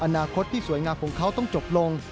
อนาคตที่สวยงามของเขาต้องจบลง